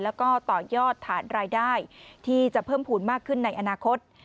แล้วก็ต่อยอดฐานรายได้ที่จะเพิ่มภูมิมากขึ้นในอนาคต